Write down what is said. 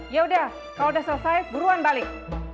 yaudah kalau udah selesai buruan balik